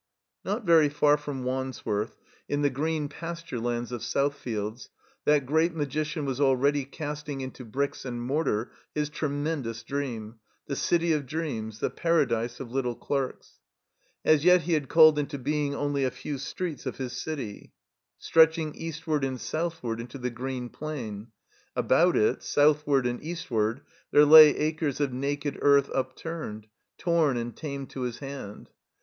Not very far from Wandsworth, in the green pas 129 THE COMBINED MAZE ttirelands of Southfields, that great magician was already casting into bricks and mortar his tremendous dream — ^the city of dreams, the Paradise of Little Clerks. As yet he had called into being only a few streets of his city, stretching eastward and southward into the green plain. About it, southward and eastward, there lay acres of naked earth upturned, torn and tamed to his hand.